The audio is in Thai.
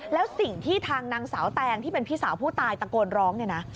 แล้วสิ่งที่ทางนางสาวแตงที่เป็นพี่สาวผู้ตายตะโกนร้องเนี่ยนะ